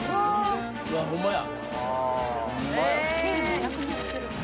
うわホンマや。